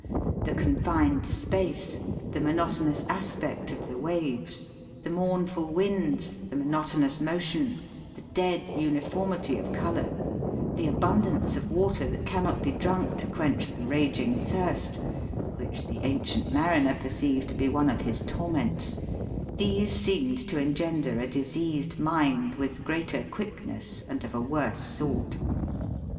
The confined space, the monotonous aspect of the waves, the mournful winds, the mono tonous motion, the dead uniformity of colour, the abundance of water that cannot be drunk to quench the raging thirst (which the Ancient Mariner perceived to be one of his torments) — these seem to engender a diseased mind with greater quickness and of a worse sort.